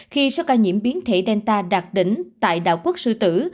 khi sau ca nhiễm biến thể delta đạt đỉnh tại đảo quốc sư tử